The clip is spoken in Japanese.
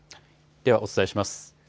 ではお伝えします。